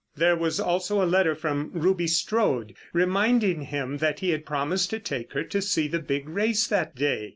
There was also a letter from Ruby Strode, reminding him that he had promised to take her to see the big race that day.